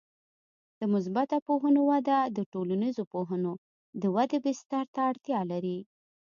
د مثبته پوهنو وده د ټولنیزو پوهنو د ودې بستر ته اړتیا لري.